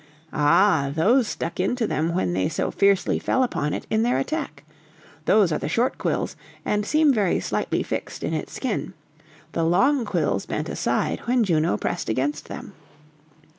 "Ah, those stuck into them when they so fiercely fell upon it in their attack. Those are the short quills, and seem very slightly fixed in its skin. The long quills bent aside when Juno pressed against them."